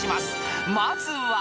［まずは］